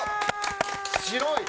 白い。